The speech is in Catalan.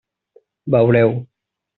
Veureu.